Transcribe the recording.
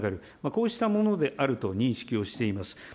こうしたものであると認識をしています。